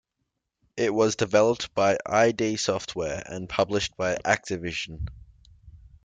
It was developed by id Software and published by Activision.